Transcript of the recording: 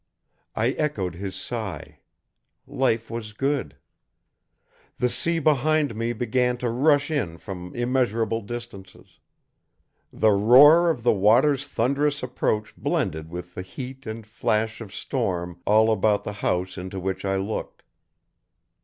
I echoed his sigh. Life was good. The sea behind me began to rush in from immeasurable distances. The roar of the waters' thunderous approach blended with the heat and flash of storm all about the house into which I looked.